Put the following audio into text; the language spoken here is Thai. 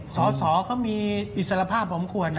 สอบเขามีอิสระภาพอำควรนะ